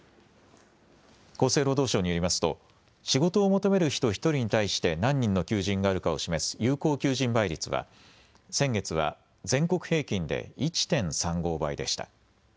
厚生労働省によりますと、仕事を求める人１人に対して、何人の求人があるかを示す有効求人倍率は、先月は全国平均で１．３５倍でした。